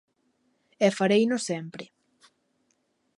E fareino sempre.